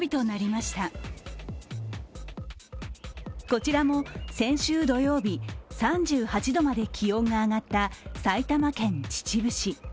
こちらも先週土曜日、３８度まで気温が上がった埼玉県秩父市。